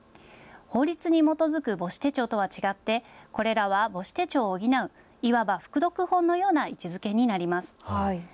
法律に基づく母子手帳とは違って、これらは母子手帳を補ういわば副読本のような位置づけになります。